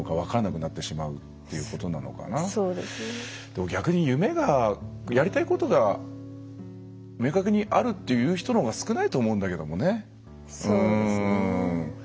でも逆に夢がやりたいことが明確にあるっていう人のほうが少ないと思うんだけどもね。